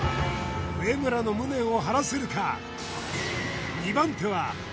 植村の無念を晴らせるか？